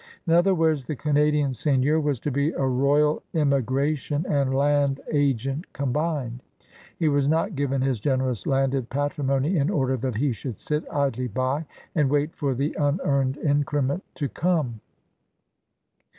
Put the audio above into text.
In other words, the Canadian seigneur was to be a royal immigration and land agent combined. He was not given his generous landed patrimony in order that he should sit idly by and wait for the unearned increment to come.